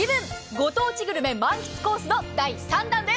ご当地グルメ満喫コースの第３弾です。